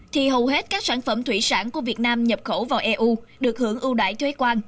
thì hầu hết các sản phẩm thủy sản của việt nam nhập khẩu vào eu được hưởng ưu đại thuế quan